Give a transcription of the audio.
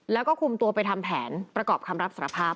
แล้วก็คุมตัวไปทำแผนประกอบคำรับสารภาพ